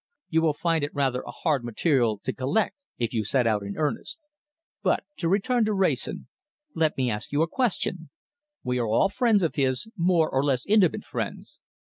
You will find it rather a hard material to collect if you set out in earnest. But to return to Wrayson. Let me ask you a question. We are all friends of his, more or less intimate friends.